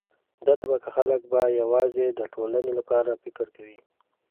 دا طبقه خلک به یوازې د ټولنې لپاره فکر کوي.